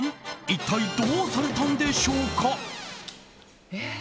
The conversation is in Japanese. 一体どうされたんでしょうか？